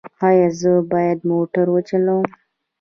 ایا زه باید موټر وچلوم؟